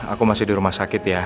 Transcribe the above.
aku masih di rumah sakit ya